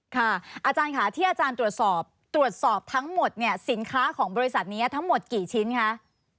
อาจารย์ค่ะที่อาจารย์ตรวจสอบตรวจสอบทั้งหมดเนี่ยสินค้าของบริษัทนี้ทั้งหมดกี่ชิ้นคะ